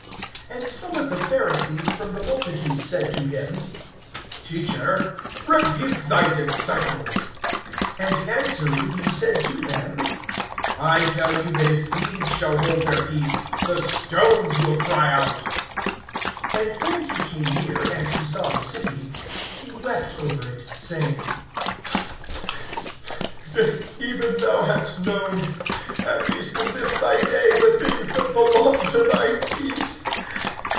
(39)And some of the Pharisees from the multitude said to him: Teacher, rebuke thy disciples. (40)And answering he said to them: I tell you that if these shall hold their peace, the stones will cry out. (41)And when he came near, as he saw the city, he wept over it, (42)saying: If even thou hadst known, at least in this thy day, the things that belong to thy peace!